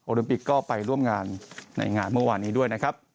โอลิมปิกก็ไปร่วมงานในงานเมื่อวานนี้ด้วย